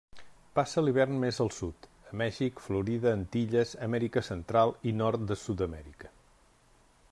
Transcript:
Passa l'hivern més al sud, a Mèxic, Florida, Antilles, Amèrica Central i nord de Sud-amèrica.